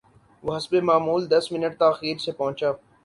وہ حسب معمول دس منٹ تا خیر سے پہنچا